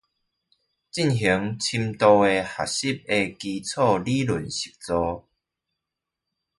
進行深度學習的基礎理論實作